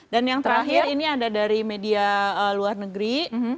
dan yang terakhir ini ada dari media luar negeri